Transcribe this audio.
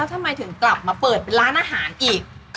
แล้วทำไมถึงกลับมาเปิดร้านอาหารอีก